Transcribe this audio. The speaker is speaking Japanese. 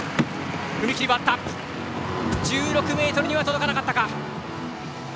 １６ｍには届かなかったか。